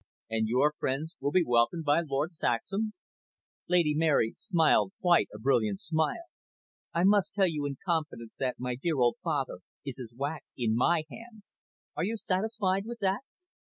"And your friends will be welcomed by Lord Saxham?" Lady Mary smiled quite a brilliant smile. "I may tell you in confidence that my dear old father is as wax in my hands. Are you satisfied with that?"